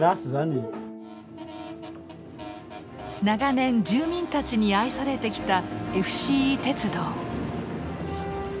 長年住民たちに愛されてきたＦＣＥ鉄道。